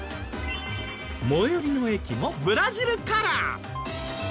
最寄りの駅もブラジルカラー。